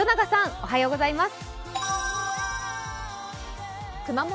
おはようございます。